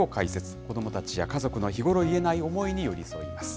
子どもたちや家族の日頃言えない思いに寄り添います。